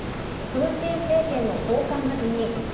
プーチン政権の高官が辞任。